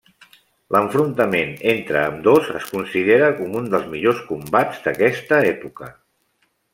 L'enfrontament entre ambdós es considera com un dels millors combats d'aquesta època.